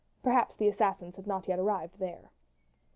Perhaps the assassins had not yet arrived there.